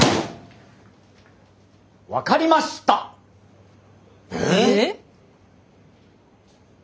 分かりました！え！？